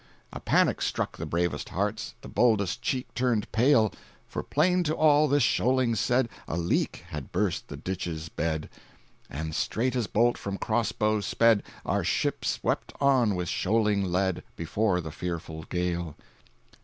A panic struck the bravest hearts, The boldest cheek turned pale; For plain to all, this shoaling said A leak had burst the ditch's bed! And, straight as bolt from crossbow sped, Our ship swept on, with shoaling lead, Before the fearful gale!